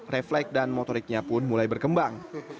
refleks dan motoriknya pun mulai berkembang